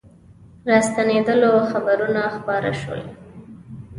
راستنېدلو خبرونه خپاره سول.